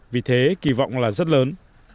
vì thế kỳ vọng là rất lớn